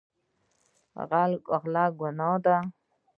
غلا ګناه ده.